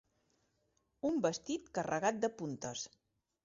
Un vestit carregat de puntes.